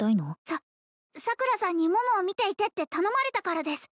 さ桜さんに桃を見ていてって頼まれたからです